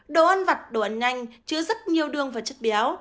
đồ ăn vặt đồ ăn nhanh chứa rất nhiều đường và chất béo